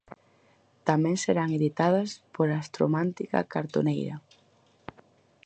Tamén serán editadas por Astromántica Cartoneira.